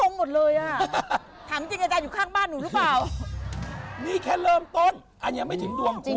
นี้แค่เริ่มต้นอันยังไม่ถึงดวงกลุ่น